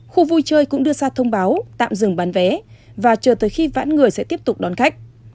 khu vui chơi cũng đưa ra thông báo tạm dừng bán vé và chờ tới khi vãn người sẽ tiếp tục đón khách